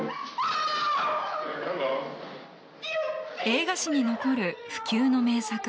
映画史に残る不朽の名作